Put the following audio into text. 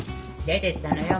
出てったのよ